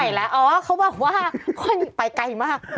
อ่าแต่คุยอยู่ในตอนนี้อ๋อไปไกลมาก